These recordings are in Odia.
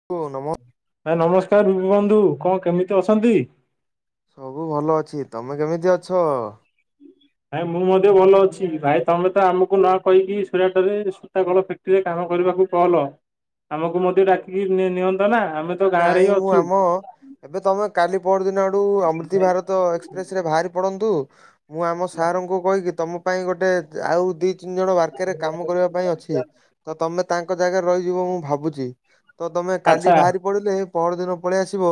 [unintelligible] ଭାଇ ନମସ୍କାର [unintelligible] ବନ୍ଧୁ କଁ କେମିତି ଅଛନ୍ତି। ସବୁ ଭଲ ଅଛି ତମେ କେମିତି ଅଛ। ଭାଇ ମୁଁ ମଧ୍ୟ ଭଲ ଅଛି ଭାଇ ତମେ ତ ଆମୁକୁ ନ କହିକି ସୁରାଟରେ ସୂତା କଳ ଫେକ୍ ଟିରେ କାମ କରିବାକୁ କଲ ଆମକୁ ମଧ୍ୟ ଡାକିକି ନି ନିଅନ୍ତ ନା ଆମେ ତ ଗାଁରେ ହିଁ ନାଇଁ ମୁଁ ଅଛୁ। ଆମ ଏବେ ତମେ କାଲି ପରଦିନ ଆଡୁକୁ [unintelligible] ଭାରତ ଏକ୍ସ ପ୍ରେସରେ ବାହାରି ପଡ଼ନ୍ତୁ ମୁଁ ଆମ ସାରଙ୍କୁ କହିକି ତମ ପାଇଁ ଗୋଟେ ଆଉ ଦି ତିନି ଜଣ [unintelligible] ରେ କାମ କରିବା ପାଇଁ ଅଛି ତ ତମେ ତାଙ୍କ ଜାଗାରେ ରହିଯିବ ମୁଁ ଭାବୁଚି। ତ ତମେ କାଲି ଆଚ୍ଛା ବାହାରି ପଡିଲେ ପହର ଦିନ ପଳେଇ ଆସିବ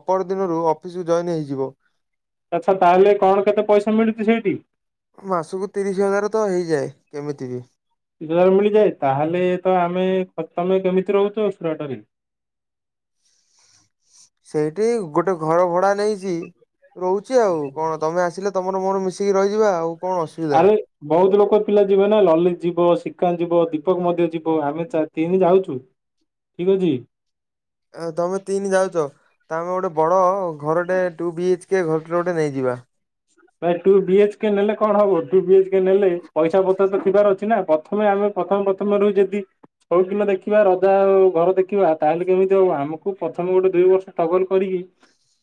ଅପହର ଦିନରୁ ଅଫିସକୁୁ ଜଏନ୍ ହେଇଯିବ। ଆଚ୍ଛା ତାହେଲେ କଣ କେତେ ପଇସା ମିଳୁଚି ସେଇଟି। ମାସୁକୁ ତିରିଶି ହଜାର ତ ହେଇଯାଏ କେମିତି ବି। ତିରିଶି ହଜ଼ାର ମିଳିଯାଏ ତାହେଲେ ତ ଆମେ [unintelligible] ତମେ କେମିତି ରୋହୁଚ ସୁରାଟରେ। ସେଇଠି ଗୋଟେ ଘର ଭଡା ନେଇଚି। ରୋହୁଛି ଆଉ କଣ ତମେ ଆସିଲେ ତମର ମୋରୋ ମିଶିକି ରହିଯିବା ଆଉ। କଣ ଅସୁବିଧା। [unintelligible] ବହୁତୁ ଲୋକୋ ପିଲା ଯିବେ ନା ଲଲିତ ଯିବ ଶ୍ରୀକାନ୍ତ ଯିବ ଦୀପକ ମଧ୍ୟ ଯିବ ଆମେ ଚା ତିନି ଯାଉଚୁ। ଠିକ୍ ଅଛି। ଆଉ ତମେ ତିନି ଯାଉଚ। ତା ଆମେ ଗୋଟେ ବଡ଼ ଘରଟେ ଟୁ ବି ଏଚ୍କେ ଘର [unintelligible] ଗୋଟେ ନେଇଯିବା। ଭାଇ ଟୁ ବି ଏଚ୍କେକେ ନେଲେ କଣ ହବ ଟୁ ବି ଏଚ୍କେକେ ନେଲେ ପଇସା ପତ୍ର ତ ଥିବାର ଅଛି ନା ପ ଥମେ ଆମେ ପଥମ ପଥମରୁ ଯଦି [unintelligible] ଦେଖିବା ରଜା ଉଁ ଘର ଦେଖିବା ତାହେଲେ କେମିତି ହବ ଆମୁକୁ ପଥମେ ଗୋଟେ ଦୁଇ ବର୍ଷ [unintelligible] କରିକି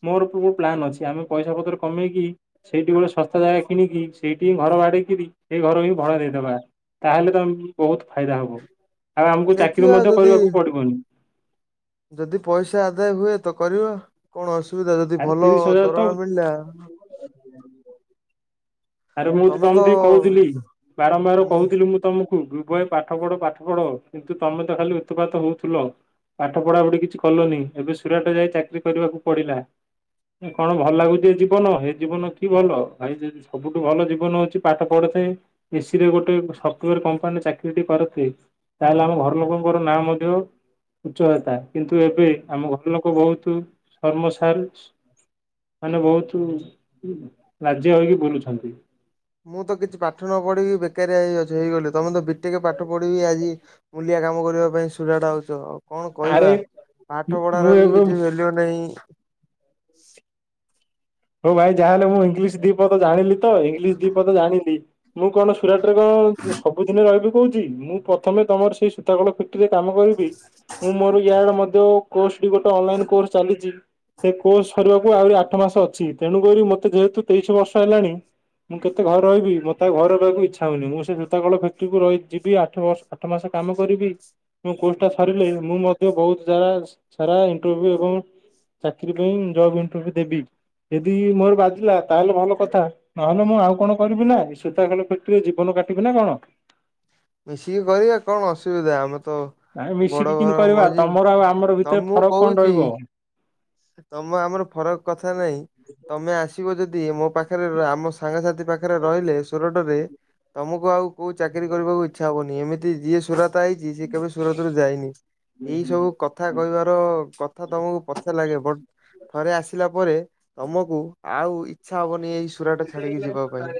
ମୋରୋ [unintelligible] ପ୍ଲାନ୍ ଅଛି ଆମେ ପଇସା ପତର କମେଇକି ସେଇଠି ଗୋଟେ ଶସ୍ତା ଜାଗା କିଣିକି ସେଇଠି ହିଁ ଘର ବାଡେଇିକିରି ସେଇ ଘର ବି ଭଡା ଦେଇଦବା। ତାହେଲେ ତ ଆମୁକୁ ବୋହୁତ୍ ଫାଇଦା ହବ ଆଉ ଆମୁକୁ ଚାକିରି ଦେଖିବା ମଧ୍ୟ ଯଦି କରିବାକୁ ପଡିବନି। ଯଦି ପଇସା ଆଦାୟ ହୁଏ ତ କରିବା କଣ ଅସୁବିଧା ଯଦି ଆରେ ଭଲ ତିରିଶ ହଜାର ତ ଦରମା ମିଳିଲା। ଆରେ ମୁଁ ତମେ ତ [unintelligible] କୋହୁଥିଲି ବାରମ୍ବାର କୋହୁଥିଲି ମୁଁ ତମୁକୁ [unintelligible] ଭାଇ ପାଠ ପଢ ପାଠ ପଢ କିନ୍ତୁ ତମେ ତ ଖାଲି ଉତୁପାତ ହୋଉଥୁଲ। ପାଠ ପଢ଼ାପଢ଼ି କିଛି କଲନି ଏବେ ସୁରାଟ ଯାଇ ଚାକିରି କରିବାକୁ ପଡିଲା। [unintelligible] କଣ ଭଲ ଲାଗୁଚି ଏ ଜୀବନ ହେ ଜୀବନ କି ଭଲ। [unintelligible] ସବୁଠୁ ଭଲ ଜୀବନ ହୋଉଛି ପାଠ ପଢୁ [unintelligible] ଏସି ରେ ଗୋଟେ ସଫ୍ଟୱେର କମ୍ପାନୀରେ ଚାକିରିଟି କରୁଥିବି। ତାହେଲେ ଆମ ଘର ଲୋକୋଙ୍କର ନାଁ ମଧ୍ୟ ଉଚ୍ଚ [unintelligible] କିନ୍ତୁ ଏବେ ଆମ ଘର ଲୋକୋ ବୋହୁତୁ [unintelligible] ମାନେ ବୋହୁତୁ [unintelligible] ହୋଇକି ବୁଲୁଛନ୍ତି। ମୁଁ ତ କିଛି ପାଠ ନ ପଢ଼ିକିବି ବେକାରିଆ ହେଇ ଅଛି ହେଇଗଲି ତମେ ତ ବିଟେକ୍ ପାଠ ପଢିକିବି ଆଜି ମୂଲିଆ କାମ କରିବା ପାଇଁ ସୁରାଟ [unintelligible] ଆଉ କଣ କହିବା ଆରେ ପାଠ ପଢାର ମୁଁ ବି ଏବେ କିଛି ଭେଲ୍ୟୁ ନାହିଁ। ହୋଉ ଭାଇ ଯାହାହେଲେ ମୁଁ ଇଂଲିଶ ଦିପଦ ଜାଣିଲି ତ ଇଂଲିଶ ଦିପଦ ଜାଣିଲି। ମୁଁ କଣ ସୁରାଟ ରେ କଣ ସବୁଦିନେ ରହିବି କୋହୁଚି ମୁଁ ପ୍ରଥମେ ତମର ସେଇ [unintelligible] ପେକ୍ଟ୍ରୀରେ କାମ କରିବି। ମୁଁ ମୋରୋ ୟାର ମଧ୍ୟ କୋସ୍ ବି ଗୋଟେ ଅନଲାଇନ୍ କୋର୍ସ ଚାଲିଚି। [unintelligible] କୋସ୍ ସରିବାକୁ ଆହୁରି ଆଠ ମାସ ଅଛି ତେଣୁକରି ମତେ ଯେହେତୁ ତେଇଶି ବର୍ଷ ହେଲାଣି। ମୁଁ କେତେ ଘରେ ରହିବି ମତେ ଆଉ ଘରେ ରହିବାକୁ ଇଚ୍ଛା ହୋଉନି ମୁଁ ସେ ସୂତା କଳ ପେକ୍ଟ୍ରିକୁ ରହି ଯିବି ଆଠ ବର୍ଷ ଆଠ ମାସେ କାମ କରିବି। ମୋ କୋର୍ସ ଟା ସରିଲେ ମୁଁ ମଧ୍ୟ ବହୁତ୍ ସାରା ସାରା ଇଣ୍ଟରଭିୟୁ ଏବଂ ଚାକିର ପାଇଁ ଜବ୍ ଇଣ୍ଟରଭିୟୁ ଦେବି ଯଦି ମୋର ବାଜିଲା ତାହେଲେ ଭଲ କଥା। ନହେଲେ ମୁଁ ଆଉ କଣ କରିବି ନା ସୂତା କଳ ଫାକ୍ଟ୍ରି ରେ ଜୀବନ କାଟିବି ନା କଣ। ମିଶିକି କରିବା କଣ ଅସୁବିଧା ଆମେ ତ ନାଇଁ ବଡ ମିଶିକି କିନ୍ତି ଘର କରିବା ମଜି ତମର ଆଉ ଆମର ଭିତରେ ତମକୁ ଫରକ କଣ କହୁଛି। ରହିବ? ତମ ଆମର ଫରକ କଥା ନାଇଁ ତମେ ଆସିବ ଯଦି ମୋ ପାଖରେ ର ଆମ ସାଙ୍ଗସାଥି ପାଖରେ ରହିଲେ ସୁରଟ ରେ ତମକୁ ଆଉ କୋଉ ଚାକିରୀ କରିବାକୁ ଇଚ୍ଛା ହବନି ଏମିତି ଯିଏ ସୁରା ତ ଆଇଛି ସେ କେବେ ସୁରତରୁ ଯାଇନି ଏଇ ସବୁ କଥା କହିବାର କଥା ତମକୁ ପ ଲ ଲାଗେ ବଟ ଥରେ ଆସିଲା ପରେ ତମକୁ ଆଉ ଇଚ୍ଛା ହବନି ଏଇ ସୁରାଟା ଛାଡ଼ିକି ଯିବା ପାଇଁ।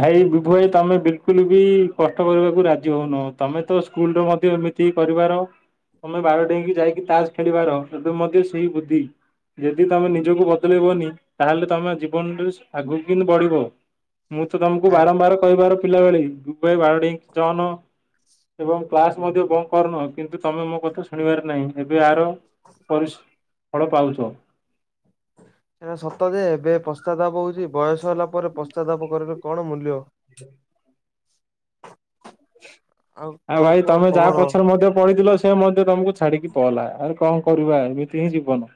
ଭାଇ ବିଭୁ ଭାଇ ତମେ ବିଲକୁଲ ବି କଷ୍ଟ କରିବାକୁ ରାଜି ହଉନ ତମେ ତ ସ୍କୁଲରେ ମଧ୍ୟ ଏମିତି ତିକରିବାର ତମେ ବାର ଡେଇକି ଯାଇକି ତାସ ଖେଳିବାର ଏବେ ମଧ୍ୟ ସେଇ ବୁଦ୍ଧି ଯଦି ତମେ ନିଜକୁ ବଦଳେଇବନି ତାହେଲେ ତମେ ଜୀବନରେ ଆଗକୁ କିନ୍ତି ବଢିବ ମୁଁ ତ ତମକୁ ବାରମ୍ବାର କହିବାର ପିଲାବେଳେ ବିବୁ ବାଇ ବାର ଡେଁଇକି ଯଅନ। ଏବଂ କ୍ଲାସ ମଧ୍ୟ ବନ୍ଦ କରୁନ କିନ୍ତୁ ତମେ ମୋ କଥା ଶୁଣିବାର ନାହିଁ ଏବେ ଆର ପରିସ ଫଳ ପାଉଛ। ଏହା ସତ ଯେ ଏବେ ପଶ୍ଚାତାପ ହଉଛି ବୟସ ହେଲା ପରେ ପଶ୍ଚାତାପ କରିଲେ କଣ ମୂଲ୍ୟ। ଆଉ କଣ ଭାଇ କୁହ ତମେ ଯାହା ଖବର ପଛରେ ମଧ୍ୟ ପଢିଥିଲ ସେ ମଧ୍ୟ ତମକୁ ଛାଡିକି ପଳଲା ଆରେ କଣ କରିବା ଏମିତି ହିଁ ଜୀିବନ।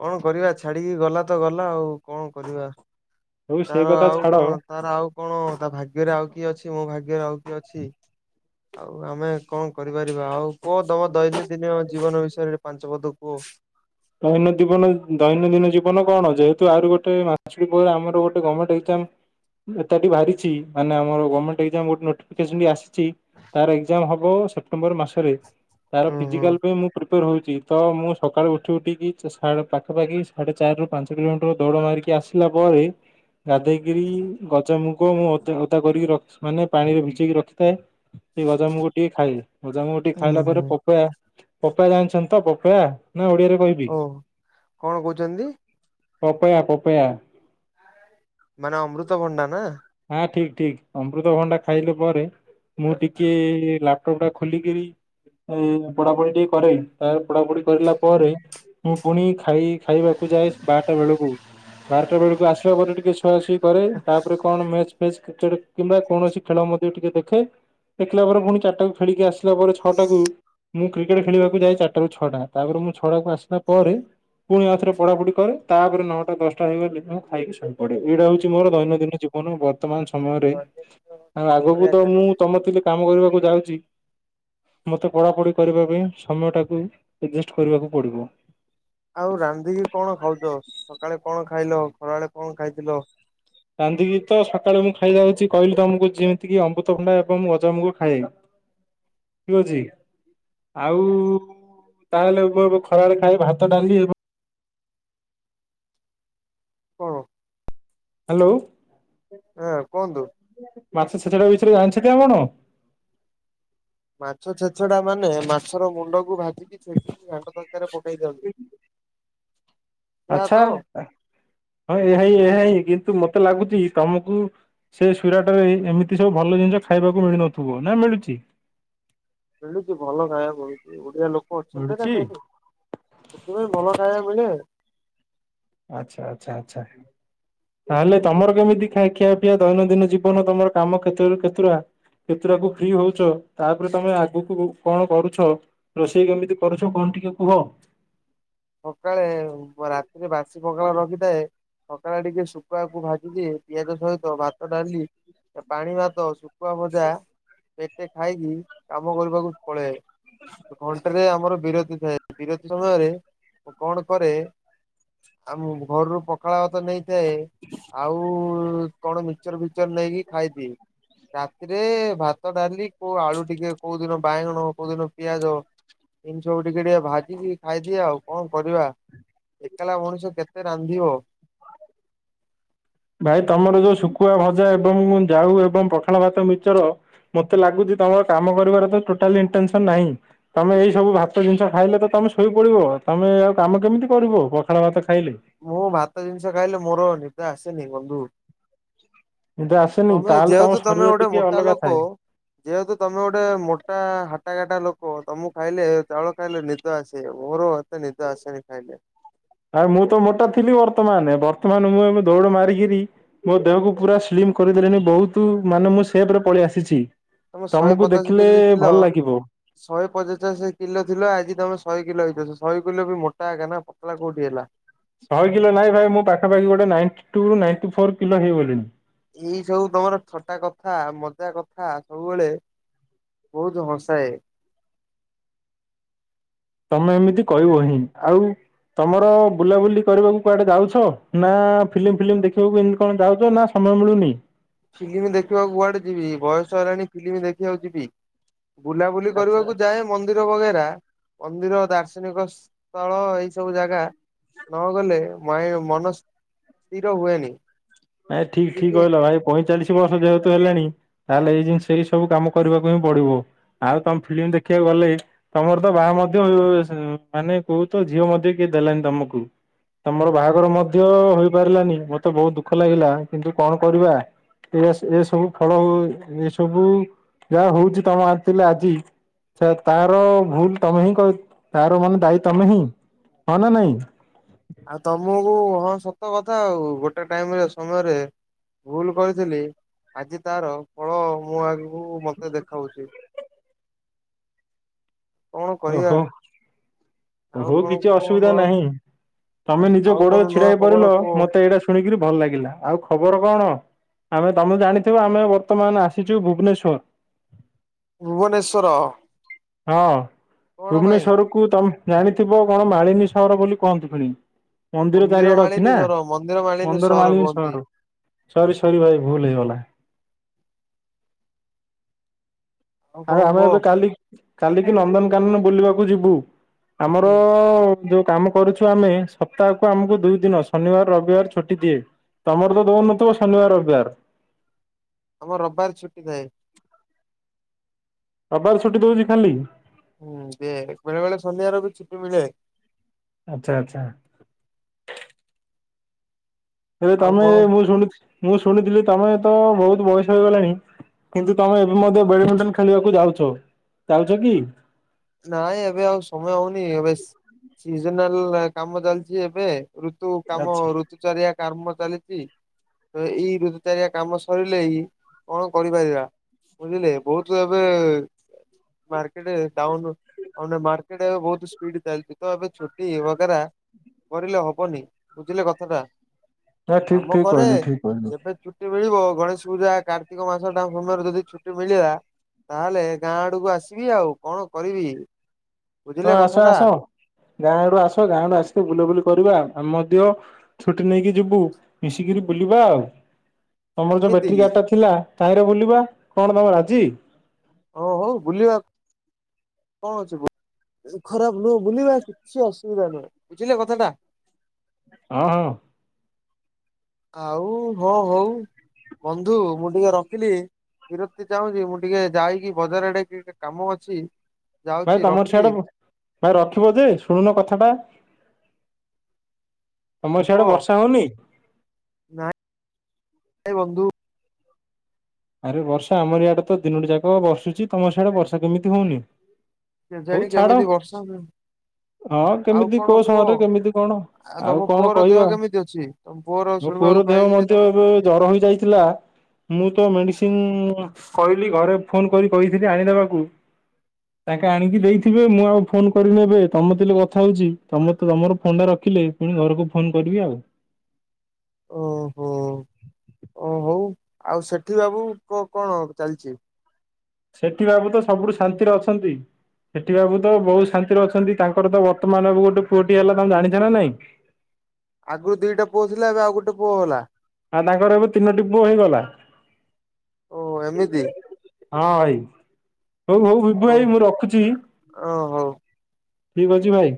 କଣ କରିବା ଛାଡିକି ଗଲା ତ ଗଲା ଆଉ କଣ କରିବା। ହଉ ସେଇ ତାର କଥା ଆଉ ଛାଡ କଣ ତାର ଆଉ କଣ ତା ଭାଗ୍ୟରେ ଆଉ କିଏ ଅଛି ମୋ ଭାଗ୍ୟରେ ଆଉ କିଏ ଅଛି। ଆଉ ଆମେ କଣ କରିପାରିବା ଆଉ କୁଅ ତମ ଦୈନ ଦିନ ଜୀବନ ବିଷୟରେ ପାଞ୍ଚ ପଦ କୁଅ। ଦୈନ ଜୀବନ ଦୈନନ୍ଦିନ ଜୀବନ କଣ ଯେହେତୁ ଆରୁ ଗୋଟେ ମାଛୁଡି ପହରେ ଆମର ଗୋଟେ ଗମେଣ୍ଟ ଏଜ୍ଜମ୍ ବାହାରିଛି ମାନେ ଆମ ର ଗମେଣ୍ଟ ଗୋଟେ ନୋଟିଫିକେସନ୍ ବି ଆସି ଚି ତାର ଏଜ୍ଜାମ ହବ ସେପ୍ଟେମ୍ବର ମାସରେ ତାର ଉଁ ହୁଁ ଫିଜିକାଲ ପାଇଁ ମୁଁ ପ୍ରିପ୍ ର ହଉଛି ତ ମୁଁ ସକାଳୁ ଉ ଉଠି ଉଠିକି ସାଢେ ପାଖାପାଖି ସାଢେ ଚାରିରୁ ପାଞ୍ଚ କିଲୋମିଟର ଦୌଡ଼ ମାରିକି ଆସିଲା ପରେ ଗାଧେଇକିରି ଗଜା ମୁଗ ମୁଁ ଓଦା ଓଦା କରିକି ରଖି ମାନେ ପାଣିରେ ଭିଜେଇକି ରଖିଥାଏ। ସେଇ ଗଜାମୂଗ ଟିକେ ଖାଏ ଗଜାମୁଗ ଟିକେ ଉଁ ଖାଇଲା ପରେ ହୁଁ ପପା ପପୟା ଜାଣିଛନ୍ତି ତ ପପୟା ନା ଓଡିଆରେ କହିବି। ଓ କଣ କହୁଛନ୍ତି ପପୟା ପପୟା। ମାନେ ଅମୃତଭଣ୍ଡା ନା। ହଁ ଠିକ ଠିକ ଅମୃତଭଣ୍ଡା ଖାଇଲେ ପରେ ମୁଁ ଟିକେ ଲାପଟପ୍ ଟା ଖୋଲିକିରି ଏଇ ପଢାପଢି ଟିକେ କରେ ତା ପଢାପଢି କରିଲା ପରେ ମୁଁ ପୁଣି ଖାଇ ଖାଇବାକୁ ଯାଏ ବାରଟା ବେଳକୁ ବାରଟା ବେଳକୁ ଆସିଲା ପରେ ଟିକିଏ ସୋ ସୁଆ ସୁଇ କରେ ତାପରେ କଣ ମ୍ୟାଚ୍ ଫ୍ୟାଚ କ୍ରିକେଟ କିମ୍ବା କୌଣସି ଖେଳ ମଧ୍ୟ ଟିକେ ଦେଖେ। ଦେଖିଲା ପରେ ପୁଣି ଚାରିଟାକୁ ଖେଳିକି ଆସିଲା ପରେ ଛଅଟାକୁ ମୁଁ କ୍ରିକେଟ ଖେଳିବାକୁ ଯାଏ ଚାରିଟାରୁ ଛଅଟା ତାପରେ ମୁଁ ଛଅଟାକୁ ଆସିଲା ପରେ ପୁଣି ଆଥରେ ପଢାପଢି କରେ ତାପରେ ନଅଟା ଦଶଟା ହେଇଗଲେ ମୁଁ ଖାଇକି ଶୁଇ ପଡେ ଏଇଟା ହଉଛି ଓ ମୋର ଦୈନନ୍ଦିନ ଜୀବ ନ ବର୍ତ୍ତମାନ ସମୟରେ ଦୈନନ୍ଦିନ ଆଉ ଜୀବନ ଆଗକୁ ବଢିଆ ତ ମୁଁ ଚାଲିଛି ତମ ଥିଲେ କାମ କରିବାକୁ ଯାଉଛି। ମୋତେ ପଢ଼ାପଢ଼ି କରିବା ପାଇଁ ସମୟଟାକୁ ଆଡ଼ଜଷ୍ଟ କରିବାକୁ ପଡ଼ିବ‌। ଆଉ ରାନ୍ଧିକି କଣ ଖାଉଛ ସକାଳେ କଣ ଖାଇଲ ଖରା ବଳେ କଣ ଖାଇଥିଲ। ରାନ୍ଧିକି ତ ସକାଳେ ମୁଁ ଖାଇ ଯାଉଛି କହିଲି ତମକୁ ଯେମିତିକି ଅମୃତଭଣ୍ଡା ଏବଂ ଗଜାମୁଗ ଖାଏ। ଠିକ୍ ଅଛି। ଆଉ ତାହେଲେ କହିବ ଖରାବେଳେ ଖାଲି ଭାତ ଡାଲି ଏବଂ ହଁ। ହାଲୋ। ହାଁ କୁହନ୍ତୁ। ମାଛ ଛେଚେଡା ବିଷୟରେ ଜାଣିଛନ୍ତି ଆପଣ? ମାଛ ଛେଛଡା ମାନେ ମାଛର ମୁଣ୍ଡକୁ ଭାଜି ଖାଲି ଛେଚିକି ଘାଣ୍ଟ ତରକାରରେ ପକେଇ ଦିଅନ୍ତି। ସେଆ ଆଛା ତ ହଁ ଏହା ହିଁ ଏହା ହିଁ କିନ୍ତୁ ମତେ ଲାଗୁଛି ତମକୁ ସେ ସୁରାଟ ରେ ଏମିତି ସବୁ ଭଲ ଜିନିଷ ଖାଇବାକୁ ମିଳୁ ନଥିବ ନା ମିଳୁଛି? ମିଳୁଛି ଭଲ ଖାଇବା ମିଳୁଛି ଓଡିଆ ଲୋକ ଅଛନ୍ତି ନା ମିଳୁଛି ସେଇଠି। ସେଥିପାଇଁ ଭଲ ଖାଇବା ମିଳେ। ଆଚ୍ଛା ଆଚ୍ଛା ଆଚ୍ଛା। ତାହେଲେ ତମର କେମିତି ଖାଇ ଖିଆ ପିଆ ଦୈନନ୍ଦିନ ଜୀବନ ତମର କାମ କ୍ଷେତ୍ରରୁ କେତୁରା କେତେଟାକୁ ଫ୍ରି ହଉଛ ତାପରେ ତମେ ଆଗକୁ କଣ କରୁଛ। ରୋଷେଇ କେମିତି କରୁଛ କଣ ଟିକେ କୁହ। ସକାଳେ ରାତିରେ ବାସି ପଖାଳ ରଖିଥାଏ। ସକାଳ ଟିକେ ଶୁଖୁଆକୁ ଭାଜିଦିଏ ପିଆଜ ସହିତ ଭାତ ଡାଲି। ପାଣି ଭାତ ଶୁଖୁଆ ଭଜା ପେଟେ ଖାଇକି କାମ କରିବାକୁ ପଳେ। ଘଣ୍ଟାରେ ଆମର ବିରତି ଥାଏ ବିରତି ସମୟରେ ମୁଁ କଣ କରେ। ଆମ ଘରରୁ ପଖାଳ ଭାତ ନେଇଥାଏ। ଆଉ କଣ ମିକଚର ଫିକଚର ନେଇକି ଖାଇଦିଏ। ରାତିରେ ଭାତ ଡାଲି କୋଉ ଆଳୁ ଟିକେ କୋଉ ଦିନ ବାଇଗଣ କୋଉ ଦିନ ପିଆଜ। ତିି ସବୁ ଟିକେ ଟିକେ ଭାଜିକି ଖାଇଦିଏ ଆଉ। କଣ କରିବା ଏକଲା ମଣିଷ କେତେ ରାନ୍ଧିବ। ଭାଇ ତମର ଯୋଉ ଶୁଖୁଆ ଭଜା ଏବଂ ଜାଉ ଏବଂ ପଖାଳ ଭାତ ମିଚର। ମତେ ଲାଗୁଛି ତମର କାମ କରିବାର ତ ଟୋଟାଲ ଇଟେନସନ ନାହିଁ। ତମେ ଏଇ ସବୁ ଭାତ ଜିନିଷ ଖାଇଲେ ତ ତମେ ଶୋଇପଡିବ ତମେ ଆଉ କାମ କେମିତି କରିବ ପଖାଳ ଭାତ ଖାଇଲେ। ମୁଁ ଭାତ ଜିନିଷ ଖାଇଲେ ମୋର ନିଦ ଆସେନି ବନ୍ଧୁ। ନିଦ ଆସେନି ତମେ ତାହେଲେ ତମ ଯେହେତୁ ତମେ ଶରୀର ଗୋଟେ ଟିକେ ମୋଟା ଅଲଗା ଲୋକ। ଥାଏ। ଯେହେତୁ ତମେ ଗୋଟେ ମୋଟା ହାଟା ଘାଟା ଲୋକ ତମକୁ ଖାଇଲେ ଚାଉଳ ଖାଇଲେ ନିଦ ଆସେ ମୋର। ନିଦ ଆସେନି ଖାଇଲେ। ଆାରେ ମୁଁ ତ ମୋଟା ଥିଲି ବର୍ତ୍ତମାନ ବର୍ତ୍ତମାନ ମୁଁ ଏବେ ଦୌଡ ମାରିକିରି। ମୋ ଦେହକୁ ପୁରା ସ୍ଲିମ କରିଦେଲିନି ବହୁତ ମାନେ ମୁଁ ସେପ୍ ରେ ପଳେଇ ଆସିଛି। ତମେ ଶହେ ତମକୁ ପଚାଶ ଦେଖିଲେ କେଜି ଥିଲ ଭଲ ଲାଗିବ। ଶହେ ପଚାଶସେ କିଲୋ ଥିଲ ଆଜି ତମେ ଶହେ କିଲୋ ହେଇଛଯେ ଶହେ କିଲୋ ବି ମୋଟା ଏକା ନା ପତଳା କୋଉଠି ହେଲା। ଶହେ କିଲୋ ନାଇଁ ଭାଇ ମୁଁ ପାଖା ପାଖି ଗୋଟେ ନାଇ ଟୁ ରୁ ନାଇଣ୍ଟି ଫୋର କିଲୋ ହେଇଗଲିନି। ଏଇ ସବୁ ତମର ଥଟା କଥା ମଜା କଥା ସବୁବେଳେ। ବହୁତ ହସାଏ। ତମେ ଏମିତି କହିବ ହିଁ ଆଉ। ତମର ବୁଲାବୁଲି କରିବାକୁ କୁଆଡେ ଯାଉଛ ନା ଫିଲ୍ମ ଫିଲ୍ମ ଦେଖିବାକୁ ଏମତି କଣ ଯାଉଛ ନା ସମୟ ମିଳୁନି। ଫିଲ୍ମ ଦେଖିବାକୁ କୁଆଡେ ଯିବି ବୟସ ହେଲାଣି ଫିଲ୍ମ ଦେଖିବାକୁ ଯିବି। ବୁଲାବୁଲି ଆଚ୍ଛା କରିବାକୁ ଆଚ୍ଛା। ଯାଏ ମନ୍ଦିର ବଗେରା ମନ୍ଦିର ଦାର୍ଶନିକ ସ୍ଥଳ ଏଇ ସବୁ ଜାଗା। ନଗଲେ ମାଇ ମନ ସ୍ଥିର ହୁଏନି। ନାଇ ଠିକ ଠିକ ଟିକେ କଇଲ ଭାଇ। ପଇଁଚାଳିଶ ବର୍ଷ ଯେହେତୁ ହେଲାଣି ତାହେଲେ ଏଇ ଜିନିଷ ହି ସବୁ କାମ କରିବାକୁ ହିଁ ପଡିବ। ଆଉ ତମ ଫିଲ୍ମ ଦେଖିବାକୁ ଗଲେ। ତମର ତ ବାହା ମଧ୍ୟ ମାନେ କହୁ ତ ଝିଅ ମଧ୍ୟ କିଏ ଦେଲାନି ତମକୁ। ତମର ବାହାଘର ମଧ୍ୟ ହେଇପାରିଲାନି ମତେ ବହୁତ ଦୁଃଖ ଲାଗିଲା କିନ୍ତୁ କଣ କରିବା। ଇଏ ଏ ସବୁ ଫଳ ହଉ ଏ ସବୁ ଯାହା ହଉଛି ତମେ ଆଣିଥିଲେ ଆଜି। ସେ ତାର ଭୁଲ ତମେ ହିଁ ତାର ମାନେ ଦାୟୀ ତମେ ହିଁ ହଁ ନା ନାଇଁ। ଆଉ ତମକୁ ହଁ ସତ କଥା ଆଉ ଗୋଟେ ଟାଇମ୍ ରେ ସମୟରେ ଭୁଲ କରିଥିଲି ଆଜି ତାର ଫଳ ମୁଁ ଆଗକୁ ମତେ ଦେଖାଉଛି। କଣ କରିବା। ଓହୋ ଆଉ ହଉ କଣ କିଛି କୁହ ଅସୁବିଧା ନୂଆ ନାହିଁ ତମେ ନିଜ ଆଉ ଗୋଡ଼ ରେ କଣ ଛିଡ଼ା ନୂଆ ହେଇ ଖବର ପାରିଲ କୁହ ମତେ ଏଇଟା ଶୁଣିକିରି ଭଲ ଲାଗିଲା ଆଉ ଖବର କଣ? ଆମେ ତମେ ଜାଣିଥିବ ଆମେ ବର୍ତ୍ତମାନ ଆସିଛୁ ଭୁବନେଶ୍ଵର। ଭୁବନେଶ୍ଵର। ହଁ କଣ ପାଇଁ ଭୁବନେଶ୍ଵର କୁ ତମେ ଜାଣିଥିବ କଣ ମାଳିନୀ ସହର ବୋଲି କୁହନ୍ତି ଫୁଣି। ମନ୍ଦିର ଚାରିଆଡ଼େ ଅଛି ମାଳିନୀ ନା ସହର ମନ୍ଦିର ମାଳିନୀ ମନ୍ଦର ସହର ମାଳିନି କୁହନ୍ତି ସହର ସରି ସରି ଭାଇ ଭୁଲ୍ ହେଇଗଲା। ଆଉ କଣ ଆମେ କୁହ ଏବେ କାଲି କାଲିକି ନନ୍ଦନକାନନ ବୁଲିବାକୁ ଯିବୁ ଆମର ହୁଁ ଯୋଉ କାମ କରୁଛୁ ଆମେ ସପ୍ତାହକୁ ଆମକୁ ଦୁଇ ଦିନ ଶନିବାର ରବିବାର ଛୁଟି ଦିଏ। ତମର ତ ଦଉନଥିବ ଶନିବାର ରବିବାର। ଆମର ରବିବାର ଛୁଟି ଥାଏ। ରବିବାର ଛୁଟି ଦଉଛି ଖାଲି। ହୁଁ ଦିଏ ବେଳେ ବେଳେ ଶନିବାର ବି ଛୁଟି ମିଳେ। ଆଚ୍ଛା ଆଚ୍ଛା। ଏବେ ଆଉ ତମେ କଣ ମୁଁ ଶୁଣି ମୁଁ ଶୁଣିଥିଲି ତମେ ତ ବହୁତ୍ ବୟସ ହେଇଗଲାଣି। କିନ୍ତୁ ତମେ ଏବେ ମଧ୍ୟ ବ୍ୟାଡମିଣ୍ଟନ୍ ଖେଳିବାକୁ ଯାଉଛ ଯାଉଛ କି? ନାଇଁ ଏବେ ଆଉ ସମୟ ହଉନି ଏବେ ସିଜିନାଲ୍ କାମ ଚାଲିଛି ଏବେ। ଋତୁ କାମ ଆଚ୍ଛା ଋତୁଚାରିଆ କାମ ଚାଲିଛି। ତ ଏଇ ଋତୁଚାରିଆ କାମ ସରିଲେ ହିଁ କଣ କରିପାରିବା। ବୁଝିଲେ ବହୁତ୍ ଏବେ ମାର୍କେଟ ଡାଉନୁ ମାନେ ମାର୍କେଟ୍ ଏ ବହୁତ୍ ସ୍ପିଡ୍ ଚାଲିଚି ତ ଏବେ ଛୁଟି ବଗେରା କରିଲେ ହବନି ବୁଝିଲେ କଥାଟା ନା ଠିକ କାମ ଠିକ କରେ କହିଲୁ ଠିକ କହିଲୁ ଯେବେ ଛୁଟି ମିଳିବ ଗଣେଶ ପୂଜା, କାର୍ତ୍ତିକ ମାସ ଟା ସମୟରେ ଯଦି ଛୁଟି ମିଳିଲା ତାହେଲେ ଗାଁ ଆଡ଼କୁ ଆସିବି ଆଉ କଣ କରିବି। ହଁ ବୁଝିଲେ ଆସ କଥାଟା ଆସ ଗାଁ ଆଡ଼ୁ ଆସ ଗାଁ ଆଡୁ ଆସିଲେ ବୁଲାବୁଲି କରିବା ଆମେ ମଧ୍ୟ ଛୁଟି ନେଇକି ଯିବୁ ମିଶିକିରି ବୁଲିବା ଆଉ। ତମର ଯୋଉ ଏମିତି ବ୍ୟାଟେରୀ କି ଗାଡ଼ିଟା ଥିଲା ତାହିଁରେ ବୁଲିବା କଣ ତମେ ରାଜି। ଓ ହଉ ବୁଲିବା। କଣ ଅଛି ଖରାପ ନୁହେଁ ବୁଲିବା କିଛି ଅସୁବିଧା ନୁହେଁ ବୁଝିଲେ କଥାଟା। ହଁ ହଁ। ଆଉ ହଁ ହଉ ବନ୍ଧୁ ମୁଁ ଟିକେ ରଖିଲି। ବିରତି ଚାହୁଁଚି ମୁଁ ଟିକେ ଯାଇକି ବଜାର ଆଡ଼େ ଟିକେ କାମ ଅଛି। ଭାଇ ଯାଉଛି ତମର ରଖିଲି ସିଆଡେ଼ ଭାଇ ରଖିବ ଯେ ଶୁଣୁନ କଥା ଟା। ତମର ସିଆଡେ଼ ପୁଅ। ବର୍ଷା ହଉନି? ଏ ବନ୍ଧୁ ଆରେ ବର୍ଷା ଆମର ଇଆଡ଼େ ତ ଦିନୋଟି ଯାକ ବର୍ଷୁଛି ତମର ସିଆଡେ଼ ବର୍ଷା କେମିତି ହଉନି। ହଉ କେଜାଣି ଛାଡ କେମିତି ବର୍ଷା ହଁ ଆଉ କେମିତି କୋଉ କଣ କୁହ ସମୟରେ କେମିତି କଣ ଆଉ ତମ କଣ ପୁଅର ଦେହ କହିବା। କେମିତି ଅଛି ତମ ମୋ ଶୁଣିବାକୁ ପୁଅର ଦେହ ପାଇଥିଲି ମଧ୍ୟ ତମ ଏବେ ଜର ହେଇଯାଇଥିଲା ମୁଁ ମୁଁ ମେଡ଼ିସିନ୍ କହିଲି ଘରେ ଫୋନ କରି କହିଥିଲି ଆଣିଦେବାକୁ। [inaudible] ତାଙ୍କେ ଆଣିକି ଦେଇଥିବେ ମୁଁ ଆଉ ଫୋନ କରିନି ଏବେ ତମ [unintelligible] କଥା ହଉଛି [unintelligible] ତମର ଫୋନ ଟା ରଖିଲେ ମୁଁ ଘରକୁ ଫୋନ୍ କରିବି ଆଉ। ଓହୋ ଓ ହଉ ଆଉ ସେଠି ବାବୁ କଣ ଚାଲିଚି? ସେଠି ବାବୁ ତ ସବୁଠୁ ଶାନ୍ତିରେ ଅଛନ୍ତି। ସେଠି ବାବୁ ତ ବହୁତ୍ ଶାନ୍ତିରେ ଅଛନ୍ତି ତାଙ୍କର ତ ବର୍ତ୍ତମାନ ବାବୁ ଗୋଟେ ପୁଅଟିଏ ହେଲା ତାମ ଜାଣିଛ ନା ନାଇଁ। ଆଗରୁ ଦିଟା ପୁଅ ଥିଲା ଏବେ ଆଉ ଗୋଟେ ପୁଅ ହେଲା ଆଉ ତାଙ୍କର ଏବେ ତିନୋଟି ପୁଅ ହେଇଗଲା। ଓ ଏମିତି ହଁ ଭାଇ, ହଉ ହଉ ବିଭୁ ଓ ଭାଇ ମୁଁ ରଖୁଛି? ଓ ହଉ ଠିକ୍ ଅଛି ଭାଇ।